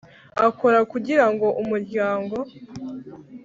akora kugira ngo umuryango